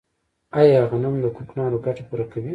آیا غنم د کوکنارو ګټه پوره کوي؟